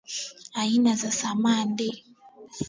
aina za samadi